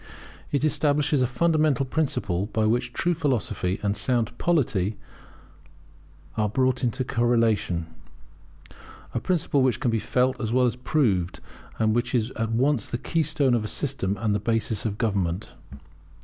It establishes a fundamental principle by which true philosophy and sound polity are brought into correlation; a principle which can be felt as well as proved, and which is at once the keystone of a system and a basis of government.